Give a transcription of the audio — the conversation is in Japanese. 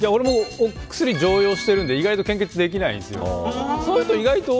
薬を常用しているんで意外と献血できないんです。